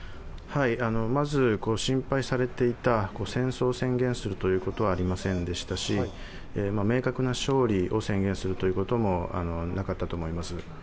まず、心配されていた戦争を宣言することはありませんでしたし、明確な勝利を宣言するということもなかったと思います。